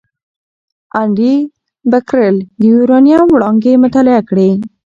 انري بکرېل د یورانیم وړانګې مطالعه کړې.